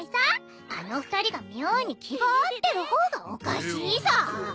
あの２人が妙に気が合ってる方がおかしいさ。